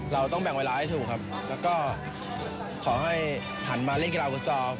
เราต้องแบ่งเวลาให้ถูกครับแล้วก็ขอให้หันมาเล่นกีฬาฟุตซอล